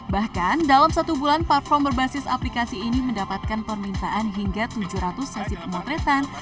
bahkan dalam satu bulan platform berbasis aplikasi ini mendapatkan permintaan hingga tujuh ratus sesi pemotretan